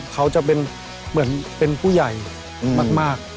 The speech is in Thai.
เขาจะเป็นผู้ใหญ่มาก